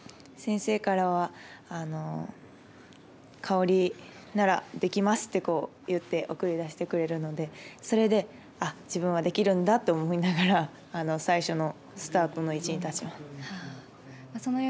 先生からは花織ならできますっていって送り出してくれるのでそれで自分はできるんだと思いながら最初のスタートの位置に立ちました。